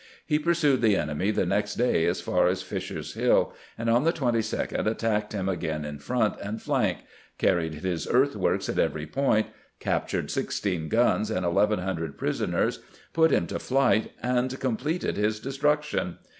He pursued the enemy the next day as far as Fisher's HiU, and on the 22d attacked him again in front and flank, carried his earthworks at every point, captured sixteen guns and eleven hundred prisoners, put him to flight, and completed his destruction.